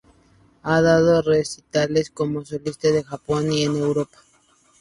Ha dado recitales como solista en Japón y en Europa.